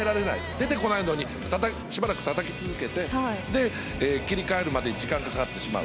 出てこないのにしばらくたたき続けて切り替えるまでに時間がかかってしまう。